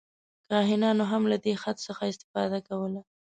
کاهنانو هم له دې خط څخه استفاده کوله.